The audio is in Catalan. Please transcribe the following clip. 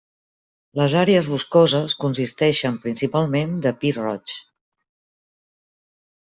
Les àrees boscoses consisteixen principalment de pi roig.